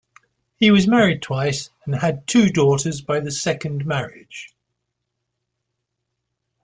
He was married twice and had two daughters by the second marriage.